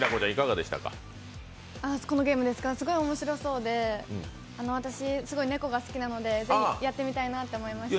すごい面白そうで、私すごい猫が好きなのでぜひやってみたいなと思いました。